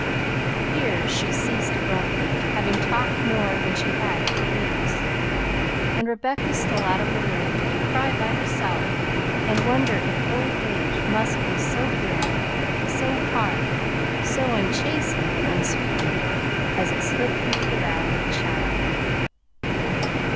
Here she ceased abruptly, having talked more than she had for weeks; and Rebecca stole out of the room, to cry by herself and wonder if old age must be so grim, so hard, so unchastened and unsweetened, as it slipped into the valley of the shadow.